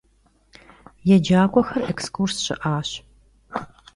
Yêcak'uexer ekskurs şı'aş.